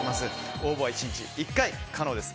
応募は１日１回可能です。